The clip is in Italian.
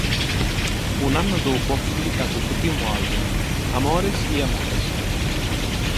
Un anno dopo ha pubblicato il suo primo album, "Amores y amores".